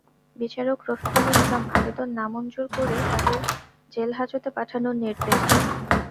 বিচারক রফিকুল ইসলাম আবেদন নামঞ্জুর করে তাঁদের জেলহাজতে পাঠানোর নির্দেশ দেন।